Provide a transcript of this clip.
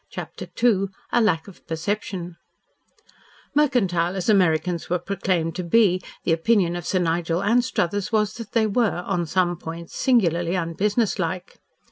CHAPTER II A LACK OF PERCEPTION Mercantile as Americans were proclaimed to be, the opinion of Sir Nigel Anstruthers was that they were, on some points, singularly unbusinesslike.